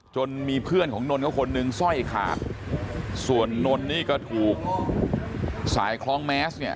จนมีเพื่อนของนนทเขาคนนึงสร้อยขาดส่วนนนนี่ก็ถูกสายคล้องแมสเนี่ย